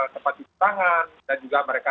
tempat cuci tangan dan juga mereka